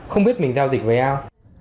không biết mình giao dịch với ai